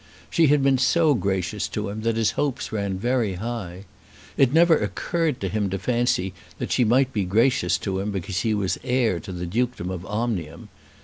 She had been so gracious to him that his hopes ran very high. It never occurred to him to fancy that she might be gracious to him because he was heir to the Dukedom of Omnium.